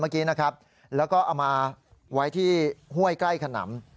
เมื่อกี้นะครับแล้วก็เอามาไว้ที่ห้วยใกล้ขนำ